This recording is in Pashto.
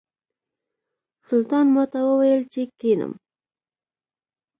سلطان ماته وویل چې کښېنم.